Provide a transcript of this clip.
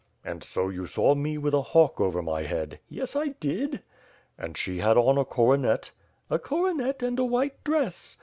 '' "And so you saw me with a hawk over my head?'' "Yes, I did." "And she had on a coronet?" "A coronet and a white dress.''